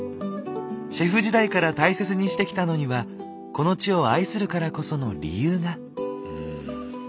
シェフ時代から大切にしてきたのにはこの地を愛するからこその理由が。